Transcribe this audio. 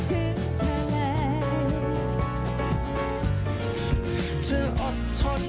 จัดไปเลยคุณผู้ชม